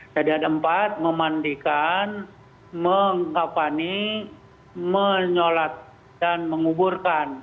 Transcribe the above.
jadi ada empat memandikan mengkapani menyolat dan menguburkan